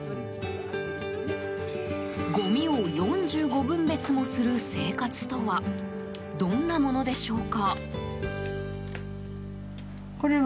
ごみを４５分別もする生活とはどんなものでしょうか？